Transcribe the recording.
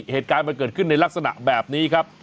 เหตุการณ์มันเกิดขึ้นในลักษณะแบบนี้ครับ